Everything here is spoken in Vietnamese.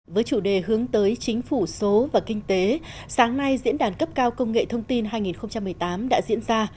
với chủ đề hướng tới chính phủ số và kinh tế sáng nay diễn đàn cấp cao công nghệ thông tin hai nghìn một mươi tám đã diễn ra